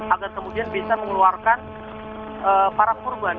agar kemudian bisa mengeluarkan para korban